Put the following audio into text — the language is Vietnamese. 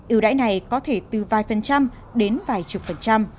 ưu đãi này có thể từ vài phần trăm đến vài chục phần trăm